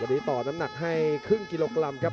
วันนี้ต่อน้ำหนักให้ครึ่งกิโลกรัมครับ